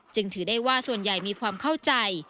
จึงถือได้ว่าส่วนใหญ่มีความเข้าใจ